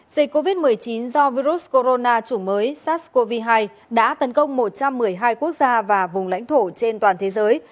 dịch covid một mươi chín do virus corona chủng mới sars cov hai đã tấn công một trăm một mươi hai quốc gia và vùng lãnh thổ trên toàn thế giới